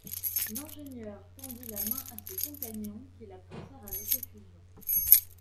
L’ingénieur tendit la main à ses compagnons, qui la pressèrent avec effusion